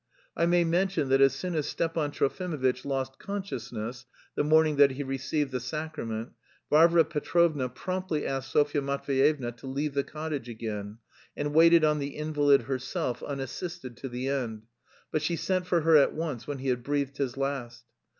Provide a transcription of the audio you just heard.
I may mention that as soon as Stepan Trofimovitch lost consciousness (the morning that he received the sacrament) Varvara Petrovna promptly asked Sofya Matveyevna to leave the cottage again, and waited on the invalid herself unassisted to the end, but she sent for her at once when he had breathed his last.